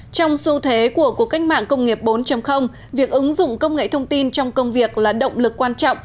trong xu thế của cuộc cách mạng công nghiệp bốn việc ứng dụng công nghệ thông tin trong công việc là động lực quan trọng